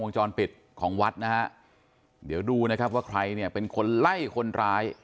จรปิดของวัดนะฮะเดี๋ยวดูนะครับว่าใครเนี่ยเป็นคนไล่คนร้าย